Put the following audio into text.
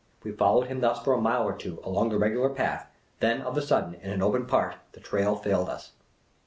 We followed him thus for a mile or two, along the regular path ; then of a sudden, in an open part, the trail failed us.